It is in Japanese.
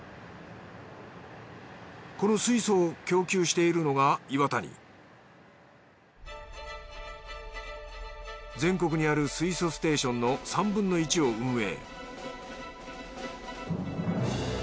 この水素を供給しているのが岩谷全国にある水素ステーションの３分の１を運営